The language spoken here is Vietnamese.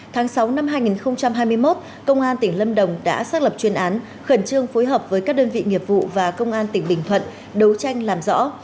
tháng sáu năm hai nghìn hai mươi một công an tỉnh lâm đồng đã xác lập chuyên án khẩn trương phối hợp với các đơn vị nghiệp vụ và công an tỉnh bình thuận đấu tranh làm rõ